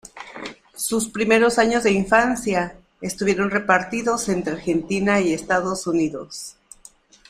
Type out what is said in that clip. Sus primeros años de infancia estuvieron repartidos entre Argentina y Estados Unidos.